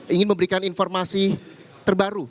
ingin memberikan informasi terbaru